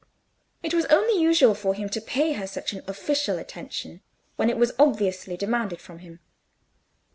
It was only usual for him to pay her such an official attention when it was obviously demanded from him.